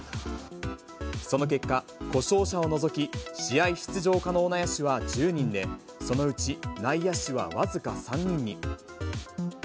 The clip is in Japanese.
その結果、故障者を除き、試合出場可能な野手は１０人で、そのうち内野手は僅か３人に。